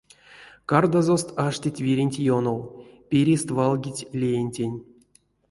Кардазост аштить виренть ёнов, пирест валгить леентень.